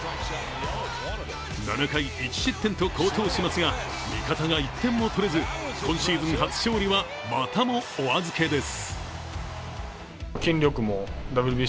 ７回１失点と好投しますが、味方が１点も取れず、今シーズン初勝利はまたもお預けです。